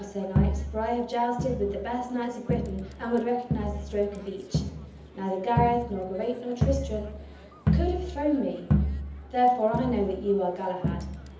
Sir Knight; for I have jousted with the best knights of Britain and would recognize the stroke of each. Neither Gareth, nor Geraint, nor Tristram could have thrown me. Therefore I know that you are Galahad!"